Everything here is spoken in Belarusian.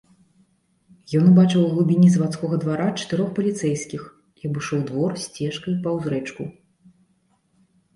Ён убачыў у глыбіні заводскага двара чатырох паліцэйскіх і абышоў двор сцежкаю паўз рэчку.